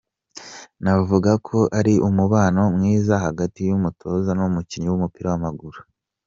Navuga ko ari umubano mwiza hagati y'umutoza n'umukinnyi w'umupira w'amaguru".